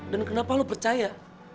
dan kenapa lo percaya